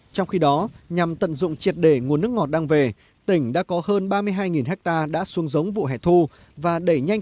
trong khi đó nhằm tận dụng triệt để nguồn nước ngọt đang về tỉnh đã có hơn ba mươi hai hecta đã thu hoạch